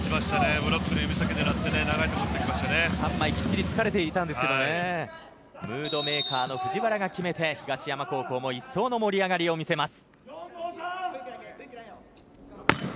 ブロックと見せ掛けてきっちりとムードメーカーの藤原が決めて東山高校も一層の盛り上がりを見せます。